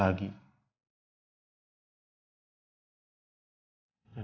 dan aku gak akan biarin